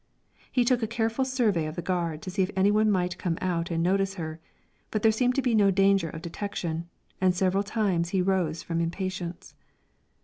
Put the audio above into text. He took a careful survey of the gard to see if any one might come out and notice her, but there seemed to be no danger of detection, and several times he rose from impatience.